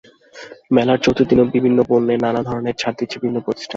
মেলার চতুর্থ দিনেও বিভিন্ন পণ্যে নানা ধরনের ছাড় দিচ্ছে বিভিন্ন প্রতিষ্ঠান।